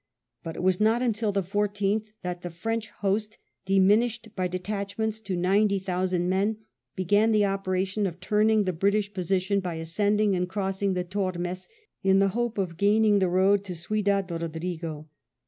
But it was not until the 14th that the French host, diminished by detachments to ninety thousand men, began the operation of turning the British position by ascending and crossing the Tonnes in the hope of gaining the road to Giudad Eodrigo.